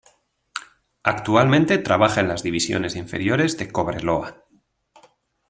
Actualmente trabaja en las divisiones inferiores de Cobreloa.